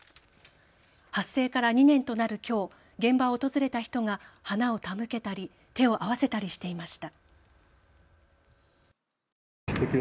発生から２年となるきょう現場を訪れた人が花を手向けたり手を合わせたりしていました。